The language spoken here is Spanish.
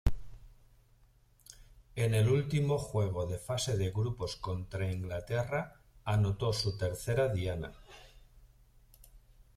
En el último juego de fase de grupos contra Inglaterra, anotó su tercera diana.